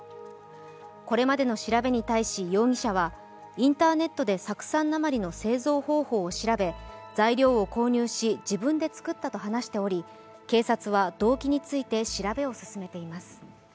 これまでの調べに対し容疑者はインターネットで酢酸鉛の製造方法を調べ材料を購入し、自分で作ったと話しており、警察は動機について調べを進めています。